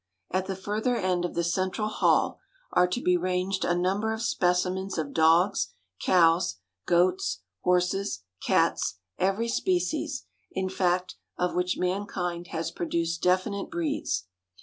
At the further end of the Central Hall are to be ranged a number of specimens of dogs, cows, goats, horses, cats, every species, in fact, of which mankind has produced definite breeds.